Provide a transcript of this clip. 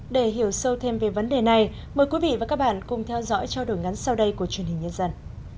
để hiểu sâu thêm về vấn đề này mời quý vị và các bạn cùng theo dõi trao đổi ngắn sau đây của truyền hình nhân dân